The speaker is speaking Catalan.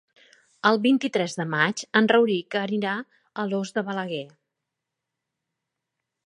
El vint-i-tres de maig en Rauric anirà a Alòs de Balaguer.